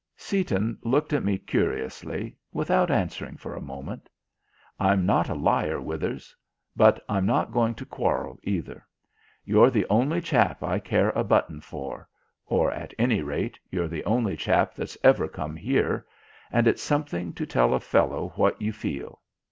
Seaton looked at me curiously, without answering for a moment. "I'm not a liar, Withers; but I'm not going to quarrel either. You're the only chap I care a button for; or, at any rate, you're the only chap that's ever come here; and it's something to tell a fellow what you feel.